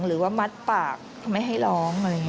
หรือว่ามัดปากไม่ให้ร้องอะไรอย่างนี้